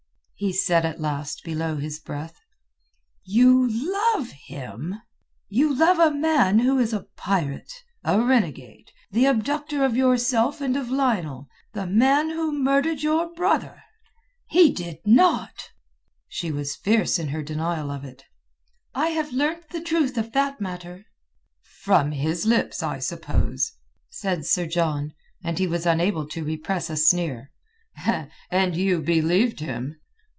he said at last below his breath. "You love him! You love a man who is a pirate, a renegade, the abductor of yourself and of Lionel, the man who murdered your brother!" "He did not." She was fierce in her denial of it. "I have learnt the truth of that matter." "From his lips, I suppose?" said Sir John, and he was unable to repress a sneer. "And you believed him?"